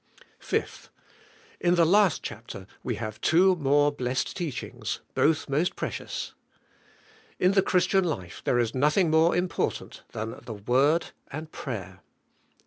5. In the last chapter we have two more blessed teachings, both most precious. In the Christian life there is nothing more important than the Word 3.nd prayer.